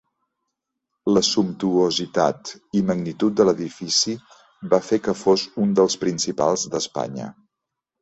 La sumptuositat i magnitud de l'edifici va fer que fos un dels principals d'Espanya.